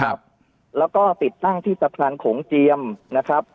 ครับแล้วก็ติดตั้งที่สะพานโขงเจียมนะครับ